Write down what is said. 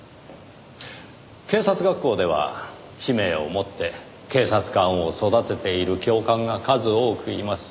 警察学校では使命を持って警察官を育てている教官が数多くいます。